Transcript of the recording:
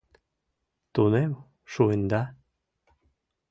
— Тунем шуында?